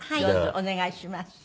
お願いします。